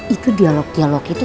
itu dialog dialog itu